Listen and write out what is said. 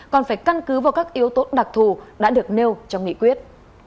còn phải căn cứ vào các yếu tố đặc thù đã được nêu trong nghị quyết